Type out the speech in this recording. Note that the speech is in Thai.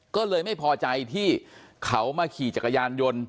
ก็เลยไม่พอใจที่เขามาขี่จักรยานยนต์